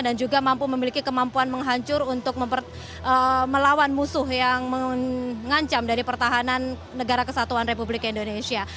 dan juga mampu memiliki kemampuan menghancur untuk melawan musuh yang mengancam dari pertahanan negara kesatuan republik indonesia